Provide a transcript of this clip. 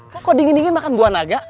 kok dingin dingin makan buah naga